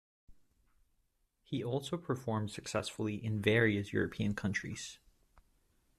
He also performed successfully in various European countries.